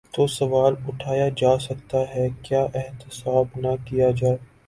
تو سوال اٹھایا جاتا ہے: کیا احتساب نہ کیا جائے؟